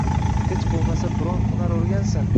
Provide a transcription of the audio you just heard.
Hech boʻlmasa, biror hunar oʻrgansin